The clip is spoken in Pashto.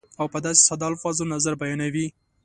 او په داسې ساده الفاظو نظر بیانوي